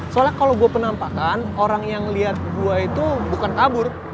soalnya kalo gue penampakan orang yang liat gue itu bukan kabur